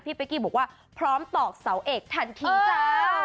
เป๊กกี้บอกว่าพร้อมตอกเสาเอกทันทีจ้า